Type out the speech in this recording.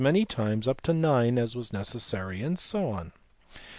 120 many times (up to 9) as was necessary, and so on.